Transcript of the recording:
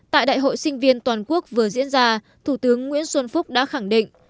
tại đại hội sinh viên toàn quốc vừa diễn ra thủ tướng nguyễn xuân phúc đã khẳng định